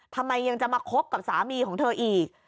ทำไมยังจะมาคบกับสามีของเธออีก